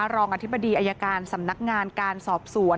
รองอธิบดีอายการสำนักงานการสอบสวน